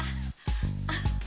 あっ。